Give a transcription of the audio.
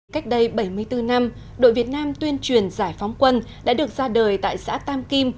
cách đây bảy mươi bốn năm đội việt nam tuyên truyền giải phóng quân đã được ra đời tại xã tam kim